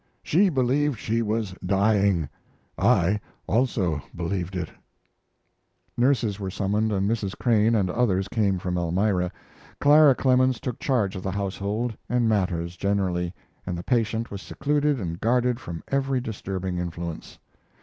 She believed she was dying. I also believed it. Nurses were summoned, and Mrs. Crane and others came from Elmira. Clara Clemens took charge of the household and matters generally, and the patient was secluded and guarded from every disturbing influence.